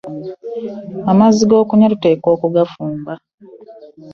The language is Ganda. Amazzi agokunywa tuteekwa okugafumba.